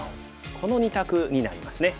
この２択になりますね。